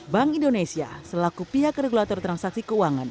bank indonesia selaku pihak regulator transaksi keuangan